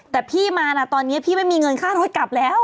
แต่พี่มานะตอนนี้พี่ไม่มีเงินค่ารถกลับแล้ว